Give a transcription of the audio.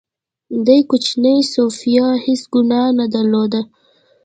دې کوچنۍ سوفیا هېڅ ګناه نه درلوده